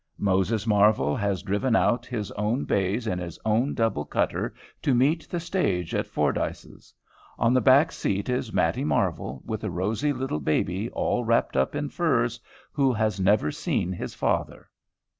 Moses Marvel has driven out his own bays in his own double cutter to meet the stage at Fordyce's. On the back seat is Mattie Marvel, with a rosy little baby all wrapped up in furs, who has never seen his father.